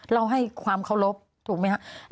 เราให้ความเคารพถูกไหมครับ